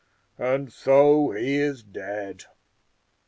And so he is dead!